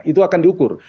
itu akan diukur